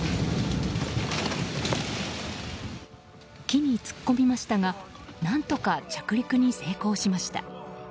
木に突っ込みましたが何とか着陸に成功しました。